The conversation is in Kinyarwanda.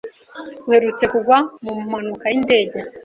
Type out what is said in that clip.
uherutse kugwa mu mpanuka y’indege